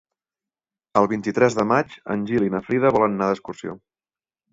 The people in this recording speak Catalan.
El vint-i-tres de maig en Gil i na Frida volen anar d'excursió.